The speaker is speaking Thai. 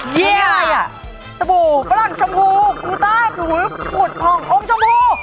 เย่อ่ะสบู่ฝรั่งชมพูกูต้าหัวผ่ององค์ชมพู